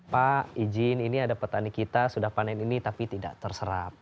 pak izin ini ada petani kita sudah panen ini tapi tidak terserap